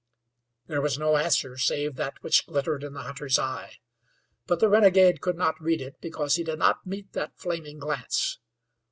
There was no answer save that which glittered in the hunter's eye. But the renegade could not read it because he did not meet that flaming glance.